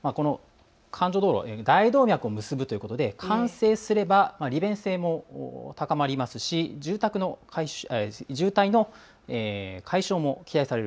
大動脈を結ぶということで完成すれば利便性も高まりますし渋滞の解消も期待される。